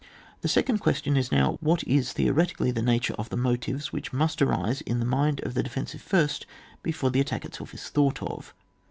The second question is now : what is theoretically the nature of the motives which must arise in the mind of the de fensive first, before the attack itself is thought of?